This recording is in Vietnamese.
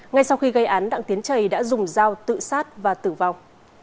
ngay sau khi gây án đặng tiến trầy đã dùng dao tự sát và tử vong